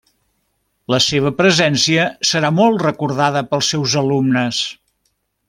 La seva presència serà molt recordada pels seus alumnes.